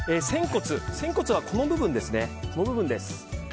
仙骨は、この部分ですね。